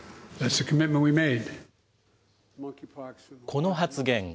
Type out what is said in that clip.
この発言。